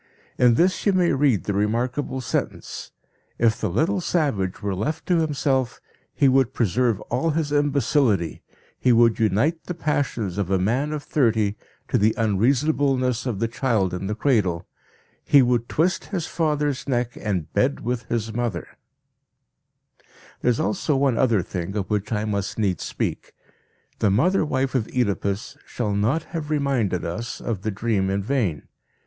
In this you may read the remarkable sentence: "_If the little savage were left to himself he would preserve all his imbecility, he would unite the passions of a man of thirty to the unreasonableness of the child in the cradle; he would twist his father's neck and bed with his mother_." There is also one other thing of which I must needs speak. The mother wife of Oedipus shall not have reminded us of the dream in vain.